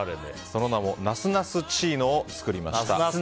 その名もナスナスチーノを作りました。